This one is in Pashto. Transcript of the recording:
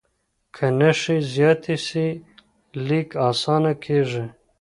که نښې زیاتې سي، لیک اسانه کېږي.